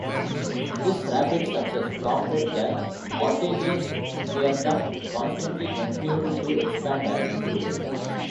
This rapid success prompted the Ortelius Theatrum constantly continued to expand and improve.